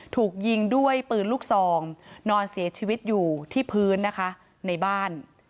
ถูกยิงด้วยปืนลูกซองนอนเสียชีวิตอยู่ที่พื้นนะคะในบ้าน